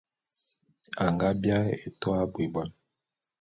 A nga biaé etua abui bon.